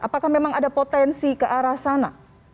apakah memang ada potensi ke arah sana